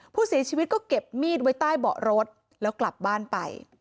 ผู้เสียชีวิตก็เก็บมีดไว้ใต้เบาะรถแล้วกลับบ้านไป